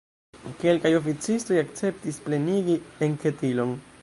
Kelkaj oficistoj akceptis plenigi enketilon.